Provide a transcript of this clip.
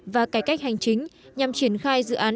và cải cách hành chính nhằm triển khai dự án